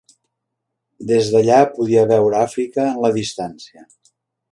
Des d'allà podia veure Àfrica en la distància.